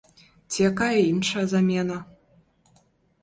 Ці якая іншая замена.